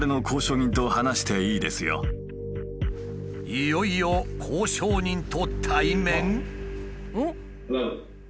いよいよ交渉人と対面？